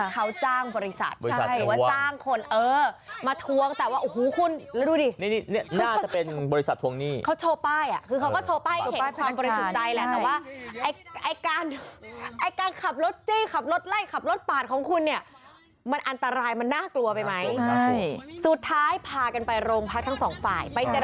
เขาจ้างบริษัทหรือว่าจ้างคนเออมาทวงแต่ว่าอู้หูคุณดูว่านี่